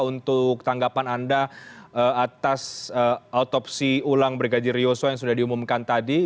untuk tanggapan anda atas autopsi ulang brigadir yosua yang sudah diumumkan tadi